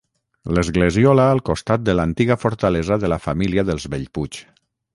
L'esglesiola al costat de l'antiga fortalesa de la família dels Bellpuig.